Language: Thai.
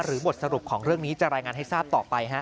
บทสรุปของเรื่องนี้จะรายงานให้ทราบต่อไป